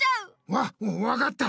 わわかった。